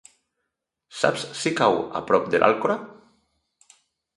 Saps si cau a prop de l'Alcora?